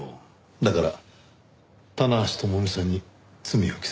だから棚橋智美さんに罪を着せようとした。